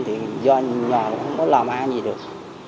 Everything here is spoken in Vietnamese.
thì do nhỏ không có làm ai gì được